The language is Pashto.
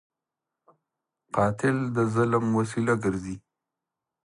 قاتل د ظلم وسیله ګرځي